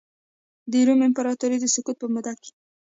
د روم امپراتورۍ د سقوط په موده کې.